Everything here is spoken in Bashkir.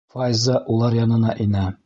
Файза улар янына инә.